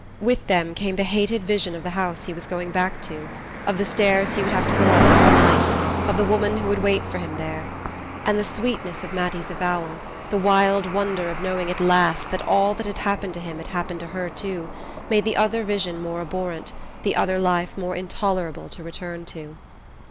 With them came the hated vision of the house he was going back to of the stairs he would have to go up every night, of the woman who would wait for him there. And the sweetness of Mattie's avowal, the wild wonder of knowing at last that all that had happened to him had happened to her too, made the other vision more abhorrent, the other life more intolerable to return to...